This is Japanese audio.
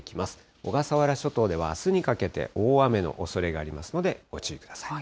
小笠原諸島ではあすにかけて大雨のおそれがありますので、ご注意ください。